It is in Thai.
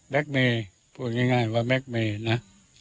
เมย์พูดง่ายว่าแก๊กเมย์นะ